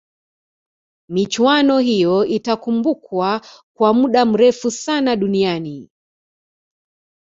michuano hiyo itakumbukwa kwa muda mrefu sana duniani